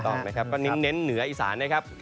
ต้องนะครับก็เน้นเหนืออีสานนะครับ